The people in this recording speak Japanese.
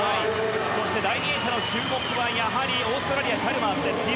そして第２泳者の注目はやはり、オーストラリアチャルマースです。